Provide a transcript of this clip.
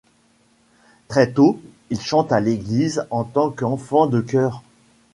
Très tôt, il chante à l'église en tant qu'enfant de chœur.